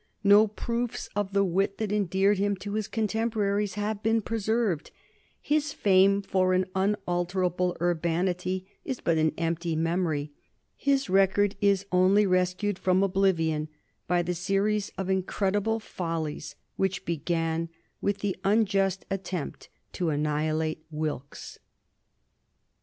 No proofs of the wit that endeared him to his contemporaries have been preserved; his fame for an unalterable urbanity is but an empty memory; his record is only rescued from oblivion by the series of incredible follies which began with the unjust attempt to annihilate Wilkes.